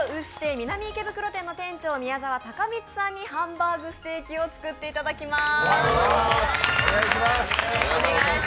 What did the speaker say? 南池袋店の店長宮澤崇満さんにハンバーグステーキを作っていただきます。